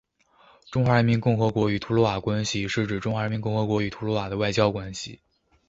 中华人民共和国与图瓦卢关系是指中华人民共和国与图瓦卢的外交关系。